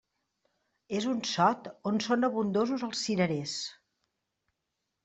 És un sot on són abundosos els cirerers.